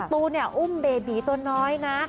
ประตูอุ้มเบบีตัวน้อยนะ